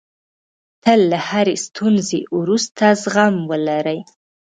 تل له هرې ستونزې وروسته زغم ولرئ.